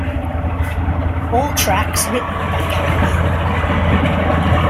All tracks written by Gary Numan.